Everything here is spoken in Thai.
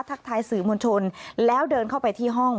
ทักทายสื่อมวลชนแล้วเดินเข้าไปที่ห้อง